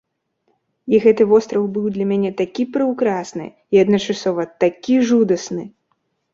І гэты востраў быў для мяне такі прыўкрасны, і адначасова такі жудасны!